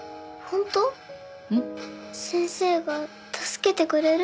先生が助けてくれる？